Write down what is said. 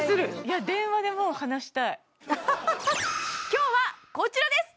今日はこちらです！